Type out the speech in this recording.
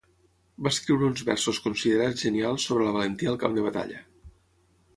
Va escriure uns versos considerats genials sobre la valentia al camp de batalla.